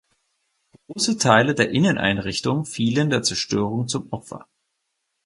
Große Teile der Inneneinrichtung fielen der Zerstörung zum Opfer.